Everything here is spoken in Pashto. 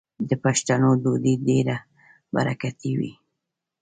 د پښتنو ډوډۍ ډیره برکتي وي.